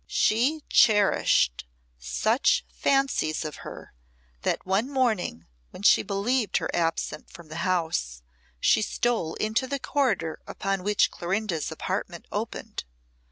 She cherished such fancies of her, that one morning, when she believed her absent from the house, she stole into the corridor upon which Clorinda's apartment opened.